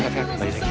jangan lupa bang